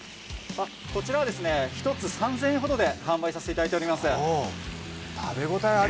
こちらは１つ３０００円ほどで販売させていただいています。